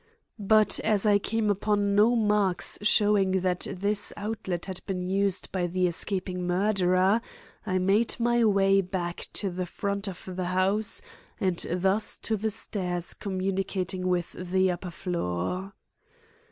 But as I came upon no marks showing that this outlet had been used by the escaping murderer, I made my way back to the front of the house and thus to the stairs communicating with the upper floor.